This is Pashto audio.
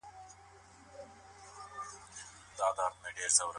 هر ټولنپوه کولای سي د ټولنې هنداره وي.